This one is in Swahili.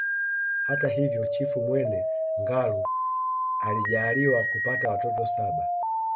Hata hivyo Chifu Mwene Ngalu alijaaliwa kupata watoto saba